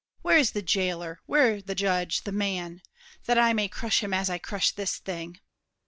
Where is the jailer, where the judge, the man?— That I may crush him as I crush this thing.